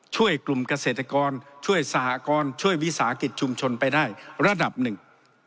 ช่วยกลุ่มเกษตรกรช่วยสหกรณ์ช่วยวิสาหกิจชุมชนไปได้ระดับหนึ่ง